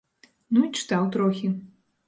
Ну і чытаў трохі.